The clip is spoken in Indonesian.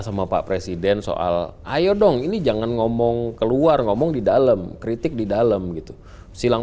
sama pak presiden soal ayo dong ini jangan ngomong keluar ngomong di dalam kritik di dalam gitu silang